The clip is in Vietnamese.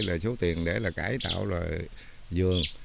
lời số tiền để là cải tạo rồi vườn